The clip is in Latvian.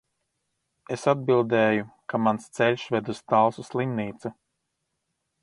Es atbildēju, ka mans ceļš ved uz Talsu slimnīcu.